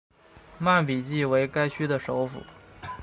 曼比季为该区的首府。